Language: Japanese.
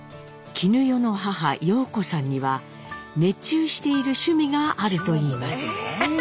絹代の母様子さんには熱中している趣味があるといいます。